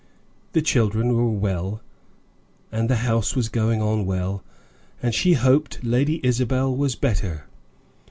The children were well, and the house was going on well, and she hoped Lady Isabel was better.